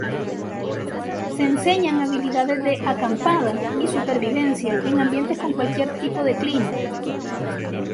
Se enseñan habilidades de acampada y supervivencia en ambientes con cualquier tipo de clima.